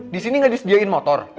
disini gak disediain motor